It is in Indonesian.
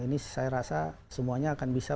ini saya rasa semuanya akan bisa